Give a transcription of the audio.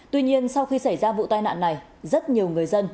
tuy nhiên sau khi xảy ra vụ tai nạn này rất nhiều người dân